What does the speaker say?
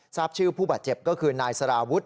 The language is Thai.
ทราบชื่อผู้บาดเจ็บก็คือนายสารวุฒิ